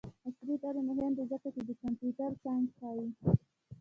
عصري تعلیم مهم دی ځکه چې د کمپیوټر ساینس ښيي.